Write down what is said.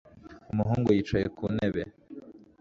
Umuhungu yicaye ku ntebe